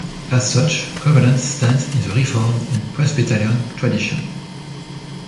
As such, Covenant stands in the Reformed and Presbyterian traditions.